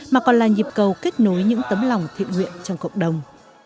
mà còn là nhịp cầu kết nối những tấm lòng thiện nguyện trong cộng đồng